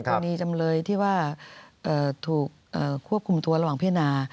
จำเลยที่ว่าถูกควบคุมตัวระหว่างพิจารณา